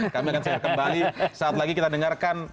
kami akan segera kembali saat lagi kita dengarkan